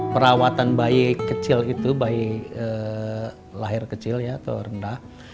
perawatan bayi kecil itu bayi lahir kecil atau rendah